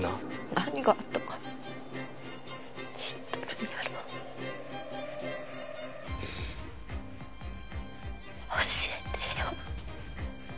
何があったか知っとるんやろ教えてよ